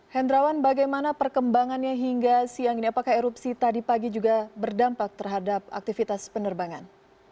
hendrawan bagaimana perkembangannya hingga siang ini apakah erupsi tadi pagi juga berdampak terhadap aktivitas penerbangan